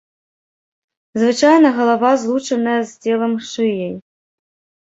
Звычайна галава злучаная з целам шыяй.